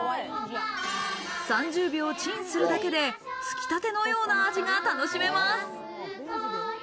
３０秒チンするだけで、つきたてのような味が楽しめます。